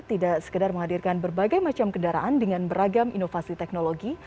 tidak sekedar menghadirkan berbagai macam kendaraan dengan beragam inovasi teknologi